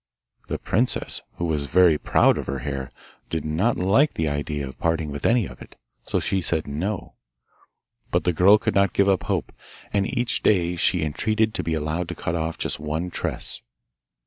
The princess, who was very proud of her hair, did not like the idea of parting with any of it, so she said no. But the girl could not give up hope, and each day she entreated to be allowed to cut off just one tress.